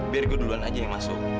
biar gue duluan aja yang masuk